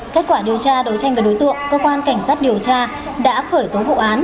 kết quả điều tra đấu tranh với đối tượng cơ quan cảnh sát điều tra đã khởi tố vụ án